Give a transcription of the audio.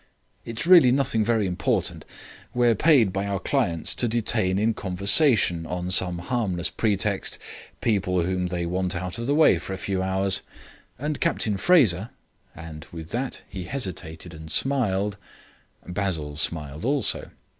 "It is really nothing very important. We are paid by our clients to detain in conversation, on some harmless pretext, people whom they want out of the way for a few hours. And Captain Fraser " and with that he hesitated and smiled. Basil smiled also.